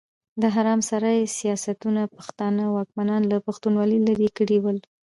د حرم سرای سياستونو پښتانه واکمنان له پښتونولي ليرې کړي ول.